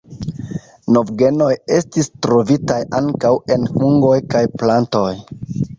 Novgenoj estis trovitaj ankaŭ en fungoj kaj plantoj.